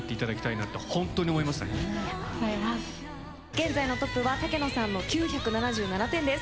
現在のトップは竹野さんの９７７点です。